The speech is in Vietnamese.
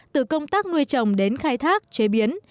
từ công tác nuôi trồng đến khai thác chế biến